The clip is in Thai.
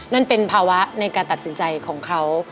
นั่นเป็นภาวะในการตัดสินใจของเขา